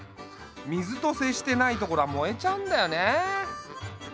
水と接してない所は燃えちゃうんだよね。